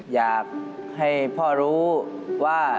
อยากให้พ่อรู้ว่า